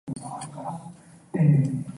薑越老越辣